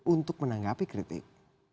untuk menanggapi kritik